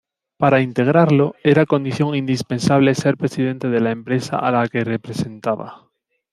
Para integrarlo era condición indispensable ser presidente de la empresa a la que representaba.